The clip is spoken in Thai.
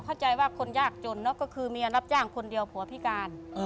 เข้าใจว่าคนยากจนเนอะก็คือเมียรับจ้างคนเดียวผัวพิการ